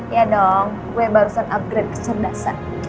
ya dong gue barusan upgrade ke cerdasan